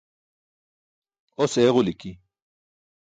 Os eġuliki.